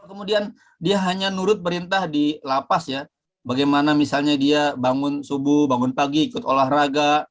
kemudian dia hanya nurut perintah di lapas ya bagaimana misalnya dia bangun subuh bangun pagi ikut olahraga